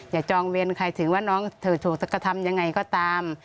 อย่าจ้องเว้นใครถึงว่าน้องเธอถูกสักธรรมอย่างไรก็ตาม